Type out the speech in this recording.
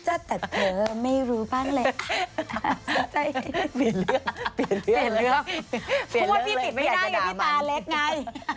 เพราะว่าพี่ปิดไม่ได้ไงพี่ตาเล็กไง